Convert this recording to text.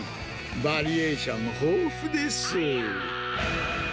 バリエーション豊富です。